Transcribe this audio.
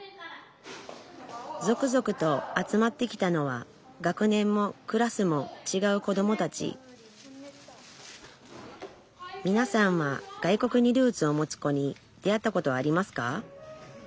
続々と集まってきたのは学年もクラスもちがうこどもたちみなさんは外国にルーツを持つ子に出会ったことはありますか？